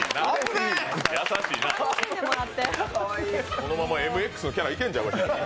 このままＭＸのキャラいけるんちゃう？